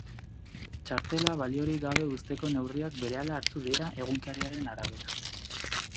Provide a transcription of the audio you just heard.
Txartela baliorik gabe uzteko neurriak berehala hartu dira, egunkariaren arabera.